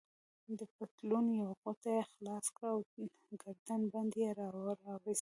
د پتلون یوه غوټه يې خلاصه کړه او ګردن بند يې راوایست.